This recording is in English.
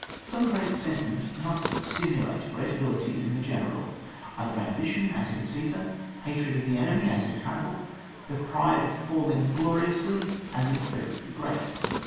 Some great sentiment must stimulate great abilities in the general, either ambition, as in Gecsar, hatred of the enemy, as in Hannibal, the pride of falling gloriously, as in Frederick the Great.